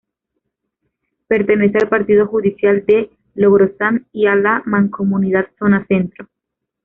Pertenece al partido judicial de Logrosán y a la mancomunidad Zona Centro.